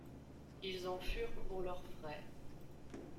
Ils en furent pour leurs frais.